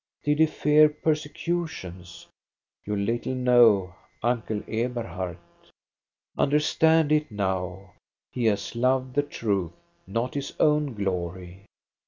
Did he fear persecutions? You little know Uncle Eberhard. Understand it now ; he has loved the truth, not his own glory.